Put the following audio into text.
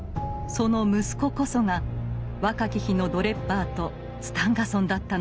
その息子こそが若き日のドレッバーとスタンガソンだったのです。